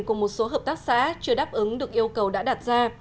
của một số hợp tác xã chưa đáp ứng được yêu cầu đã đạt ra